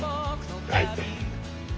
はい。